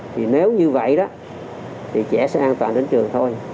thì nếu như vậy đó thì trẻ sẽ an toàn đến trường thôi